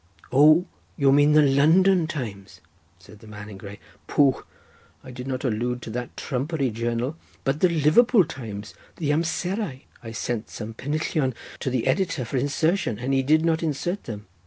"O, you mean the London Times," said the man in grey. "Pooh! I did not allude to that trumpery journal, but the Liverpool Times, the Amserau. I sent some pennillion to the editor for insertion and he did not insert them.